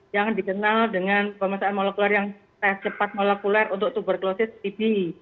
yang dikenal dengan pemeriksaan molekuler yang tes cepat molekuler untuk tuberkulosis pbi